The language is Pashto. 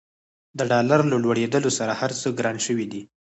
د ډالر له لوړېدولو سره هرڅه ګران شوي دي.